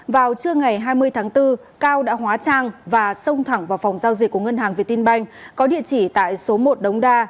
vào trưa ngày hai mươi tháng bốn cao đã hóa trang và xông thẳng vào phòng giao dịch của ngân hàng việt tinh banh có địa chỉ tại số một đống đa